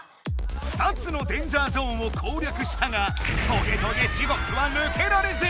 ２つのデンジャーゾーンを攻略したがトゲトゲ地獄はぬけられず！